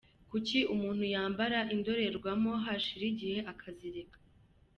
Kuki umuntu yambara indorerwamo hashira igihe akazireka?.